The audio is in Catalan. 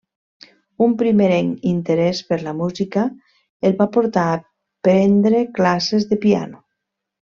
Un primerenc interès per la música el va portar a prendre classes de piano.